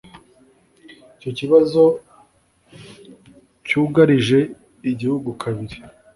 icyo kibazo cyugarije igihugu kabiri